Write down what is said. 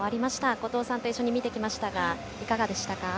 後藤さんと一緒に見ていきましたがいかがでしたか。